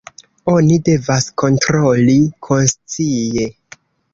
Oni devas kontroli konscie.